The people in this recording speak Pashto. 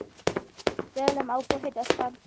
د علم او پوهې داستان.